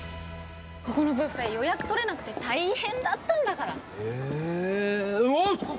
ここのブッフェ予約取れなくて大変だったんだからへえうわっ！